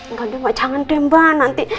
mbak mbak jangan tembak nanti